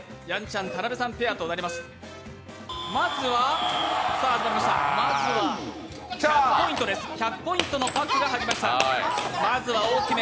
まずは、１００ポイントのパックが入りました。